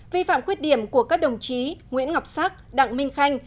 vi phạm khuyết điểm của các đồng chí nguyễn ngọc sắc đặng minh khanh